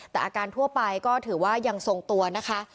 แต่อาการทั่วไปก็ถือว่ายังทรงตัวนะคะ